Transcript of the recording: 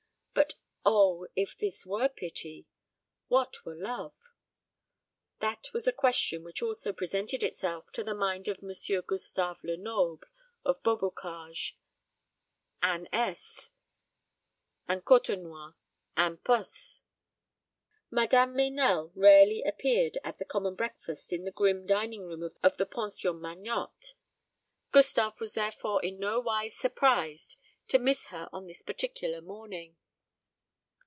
But oh, if this were pity, what were love? That was a question which also presented itself to the mind of M. Gustave Lenoble, of Beaubocage in esse, and Côtenoir in posse. Madame Meynell rarely appeared at the common breakfast in the grim dining room of the Pension Magnotte. Gustave was therefore in nowise surprised to miss her on this particular morning.